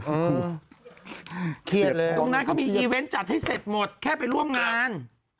ตรงนั้นเขาก็มีอีเว้นต์ก็จัดให้เสร็จหมดแค่ไปร่วมงาน